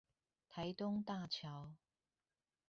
台東大橋